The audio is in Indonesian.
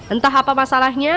entah apa masalahnya